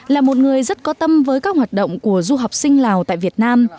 là một người rất có tâm với các hoạt động của du học sinh lào tại việt nam